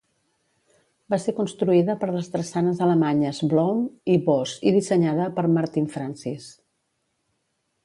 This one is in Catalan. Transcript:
Va ser construïda per les drassanes alemanyes Blohm i Voss i dissenyada per Martin Francis.